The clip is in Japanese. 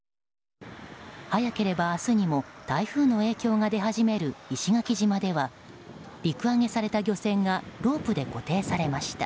早ければ明日にも台風の影響が出始める石垣島では陸揚げされた漁船がロープで固定されました。